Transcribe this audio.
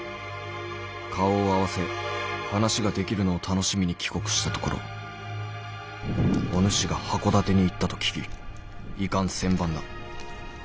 顔を合わせ話ができるのを楽しみに帰国したところお主が箱館に行ったと聞き遺憾千万だ。